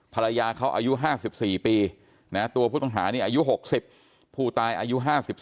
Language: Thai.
ภรรยาเขาอายุ๕๔ปีตัวผู้ต้องหานี่อายุ๖๐ผู้ตายอายุ๕๓